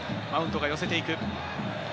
マウントが寄せていく。